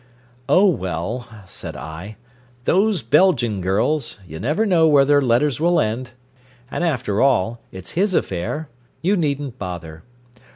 "Oh well," said I, "those Belgian girls! You never know where their letters will end. And after all, it's his affair you needn't bother."